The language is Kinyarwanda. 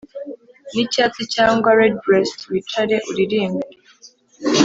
Nicyatsi cyangwa redbreast wicare uririmbe